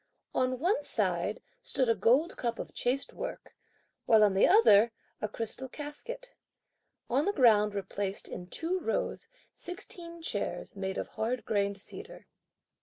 On one side stood a gold cup of chased work, while on the other, a crystal casket. On the ground were placed, in two rows, sixteen chairs, made of hard grained cedar.